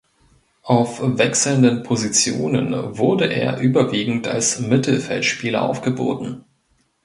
Auf wechselnden Positionen wurde er überwiegend als Mittelfeldspieler aufgeboten.